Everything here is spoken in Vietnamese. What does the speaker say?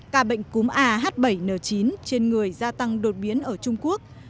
ca bệnh cúm a h bảy n chín trên người gia tăng đột biến ở trung quốc